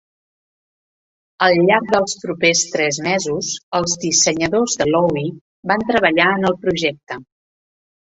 Al llarg dels propers tres mesos, els dissenyadors de Loewy van treballar en el projecte.